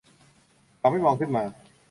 เขาไม่มองขึ้นมา